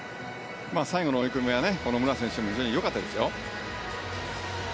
最後の追い込みは武良選手も非常に良かったですよ。